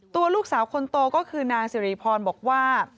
ตัวลูกสาวคนโตก็คือนางสิริพรบอกว่า